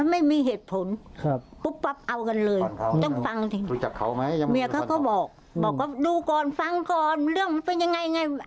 เมียเขาก็บอกดูก่อนฟังก่อนเรื่องมันเป็นอย่างไร